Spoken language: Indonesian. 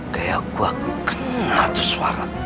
kayak gue kena tuh suara